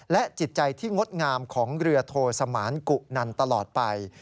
จิตใจที่งดงามของเรือโทสมานกุนันตลอดไป